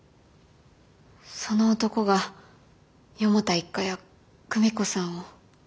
その男が四方田一家や久美子さんを。